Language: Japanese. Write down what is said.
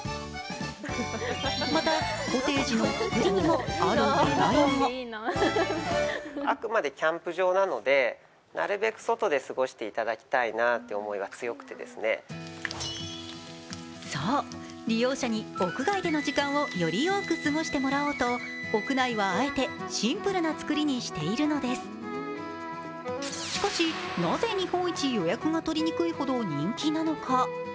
またコテージのつくりにも、ある狙いがそう、利用者に屋外での時間をより多く過ごしてもらおうと、屋内はあえてシンプルな作りにしているのですしかし、なぜ日本一予約が取りにくいほど人気なのか？